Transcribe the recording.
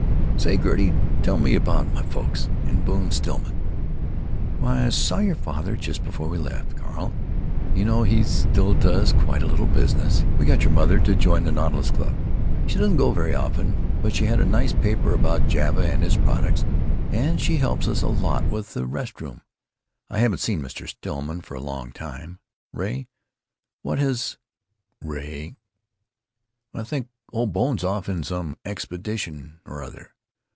"Say, Gertie, tell me about my folks, and Bone Stillman." "Why, I saw your father just before we left, Carl. You know he still does quite a little business. We got your mother to join the Nautilus Club—she doesn't go very often; but she had a nice paper about 'Java and Its Products,' and she helps us a lot with the rest room. I haven't seen Mr. Stillman for a long, long time. Ray, what has——" Ray: "Why, I think old Bone's off on some expedition 'r other.